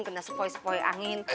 kena sepoi sepoi angin